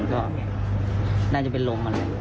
ก็น่าจะเป็นลมมันเลย